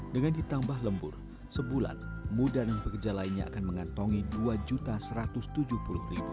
dengan ditambah lembur sebulan muda dan pekerja lainnya akan mengantongi rp dua satu ratus tujuh puluh